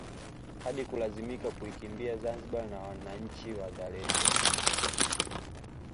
Hadi kulazimika kuikimbia Zanzibar na wananchi wazalendo